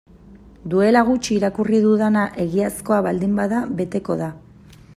Duela gutxi irakurri dudana egiazkoa baldin bada beteko da.